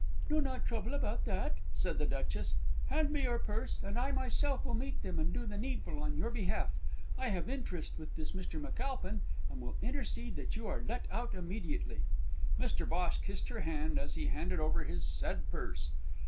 "Do not trouble about that," said the Duchess. "Hand me your purse, and I myself will meet them and do the needful on your behalf. I have interest with this Mr McAlpine and will intercede that you are let out immediately." Mr Bhosh kissed her hand as he handed over his said purse.